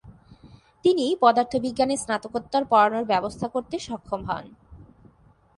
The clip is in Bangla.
তিনি পদার্থ বিজ্ঞানে স্নাতকোত্তর পড়ানোর ব্যবস্থা করতে সক্ষম হন।